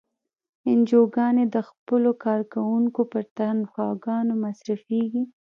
انجوګانې د خپلو کارکوونکو پر تنخواګانو مصرفیږي.